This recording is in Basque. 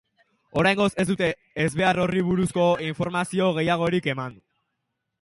Oraingoz, ez dute ezbehar horri buruzko informazio gehiagorik eman.